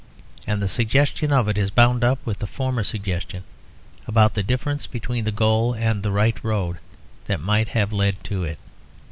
And the suggestion of it is bound up with the former suggestion, about the difference between the goal and the right road that might have led to it.